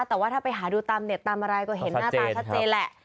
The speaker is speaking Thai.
แต่ว่าถ้าไปหาดูตามเน็ตตามอะไรก็เห็นหน้าตาชัดเจนแหละ